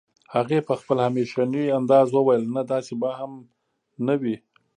هغې په خپل همېشني انداز وويل نه داسې به هم نه وي